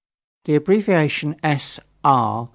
The abbreviation S. R.